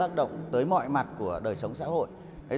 nó đã tác động tới mọi mặt của đời sống xã hội